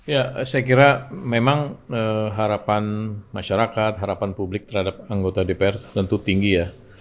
ya saya kira memang harapan masyarakat harapan publik terhadap anggota dpr tentu tinggi ya